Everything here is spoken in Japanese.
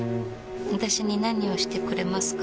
私に何をしてくれますか？